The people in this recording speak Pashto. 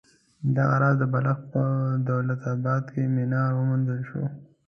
دغه راز د بلخ په دولت اباد کې منار وموندل شو.